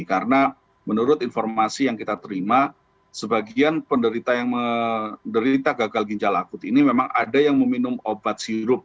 karena menurut informasi yang kita terima sebagian penderita gagal ginjal akut ini memang ada yang meminum obat sirup